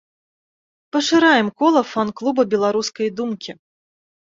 Пашыраем кола фан-клуба беларускай думкі!